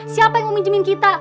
siapa yang mau minjemin kita